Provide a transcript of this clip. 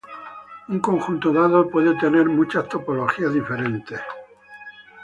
Un conjunto dado puede tener muchas topologías diferentes.